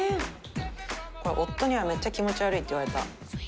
これ夫にはめっちゃ気持ち悪いって言われた。